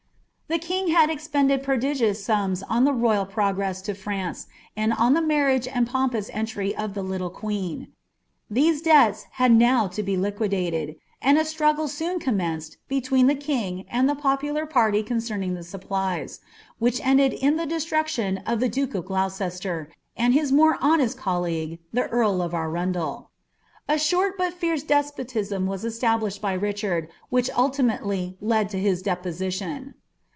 The king had expended prodigious suidb on the royal prof France, and on the murriage and pompous entry of the litde These debts had now to be liquidated ; and a stnigglB ■< between the king and the popular party concerning the nipiiUtS', wbwfa ended in the destruction of the dake of Gloucester, and b'ta mon hmatm colleague, the earl of Arundel. A short but fierce despotion was esofr lished by Richard, which ultimately led to his deposition.